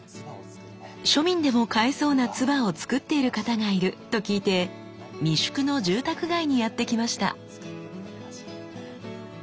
庶民でも買えそうな鐔をつくっている方がいると聞いて三宿の住宅街にやってきました。